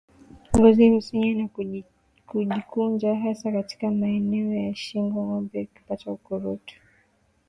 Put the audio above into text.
Ngozi husinyaa na kujikunja hasa katika maeneo ya shingo ngombe akipata ukurutu